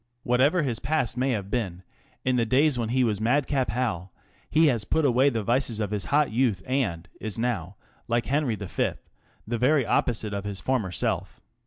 Whatever his past may have been in the days when he was Madcap Hal, he has put away the vices of his hot youth and is now, like Henry V., the very opposite of his former self.